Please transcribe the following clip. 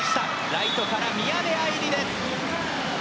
ライトから宮部藍梨です。